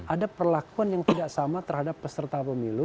ada perlakuan yang tidak sama terhadap peserta pemilu